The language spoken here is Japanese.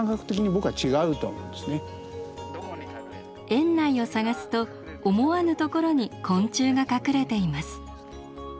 園内を探すと思わぬ所に昆虫が隠れています。